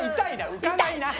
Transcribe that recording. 浮かないな。